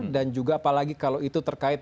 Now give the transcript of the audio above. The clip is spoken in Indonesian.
dan juga apalagi kalau itu terkait